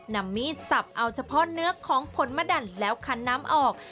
นำมีดสับเอาเฉพาะเนื้อของผลมะดันแล้วคันน้ำออก